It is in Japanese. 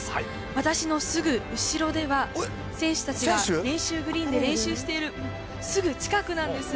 私のすぐ後ろでは、選手たちが練習グリーンで練習しているすぐ近くなんです。